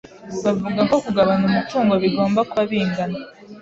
Bavuga ko kugabana umutungo bigomba kuba bingana.